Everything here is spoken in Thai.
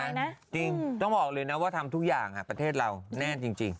จริงเดี๋ยวผมบอกเลยว่าทำทุกอย่างอะประเทศเราแน่นจริง